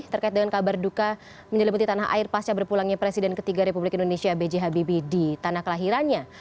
terkait dengan kabar duka menyelimuti tanah air pasca berpulangnya presiden ketiga republik indonesia b j habibie di tanah kelahirannya